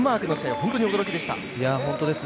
本当に驚きでした。